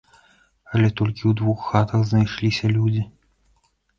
Але толькі ў двух хатах знайшліся людзі.